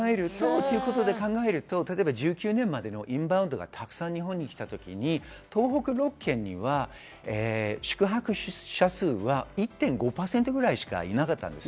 そう考えると１９年までのインバウンドがたくさん日本に来た時に、東北６県には宿泊者数は１．５％ぐらいしかいなかったんです。